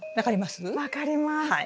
分かります？